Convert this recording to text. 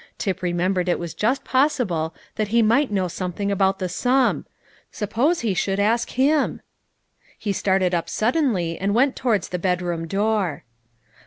Tip remembered it was just possible that he might know something about the sum. Suppose he should ask him? He started up suddenly, and went towards the bedroom door.